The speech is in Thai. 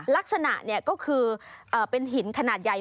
ลักษณะก็คือเป็นหินขนาดใหญ่